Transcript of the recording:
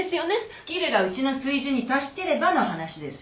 スキルがうちの水準に達してればの話です